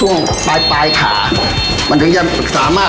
อุ๊ยมันไม่ง่ายเลยครับเพราะว่า